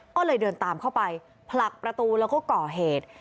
ก็เลยเดินตามเข้าไปผลักประตูแล้วก็ก่อเหตุ